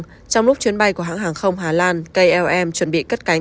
trong lúc chuyến bay của hãng hàng không hà lan klm chuẩn bị cất cánh